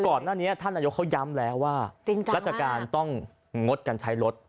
ก่อนหน้านี้ท่านนายกเขาย้ำแล้วว่าราชการต้องงดการใช้รถ